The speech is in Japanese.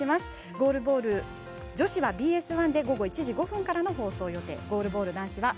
ゴールボール女子はＢＳ１で午後１時５分からの放送予定です。